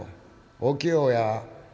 お清や。